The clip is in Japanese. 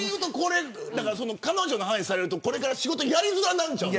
彼女の話されるとこれから仕事やりづらくなるんじゃん。